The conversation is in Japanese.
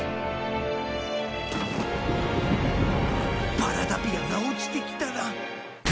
パラダピアが落ちてきたら。